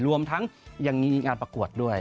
รวมทั้งยังมีงานประกวดด้วย